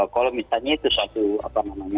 kalau misalnya itu satu apa maksudnya